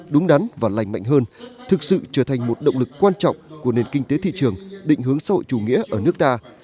đúng đắn và lành mạnh hơn thực sự trở thành một động lực quan trọng của nền kinh tế thị trường định hướng xã hội chủ nghĩa ở nước ta